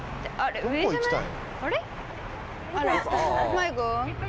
迷子？